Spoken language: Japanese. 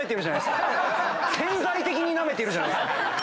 潜在的にナメてるじゃないですか。